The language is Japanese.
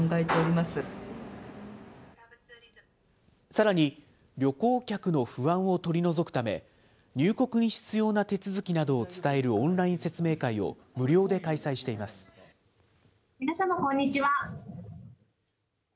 さらに、旅行客の不安を取り除くため、入国に必要な手続きなどを伝えるオンライン説明会を無料で開催し皆様こんにちは。